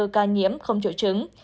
ca nhiễm không triệu chứng